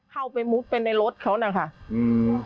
เข้าไปมุบไปในรถเขานะคะอืม